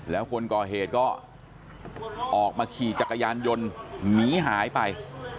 แล้วคนก่อเหตุก็ออกมาขี่จักรยานยนต์หนีหายไป